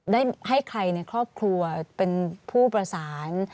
ได้ให้ใครในครอบครัวเป็นผู้ประสาน